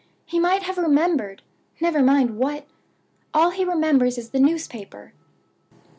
He might have remembered never mind what! All he remembers is the newspaper."